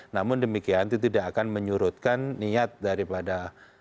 namun demikian itu tidak akan menyurutkan niat daripada